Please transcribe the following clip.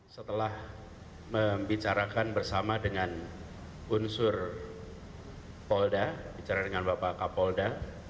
setelah membicarakan bersama dengan unsur polda bicara dengan bapak kapolda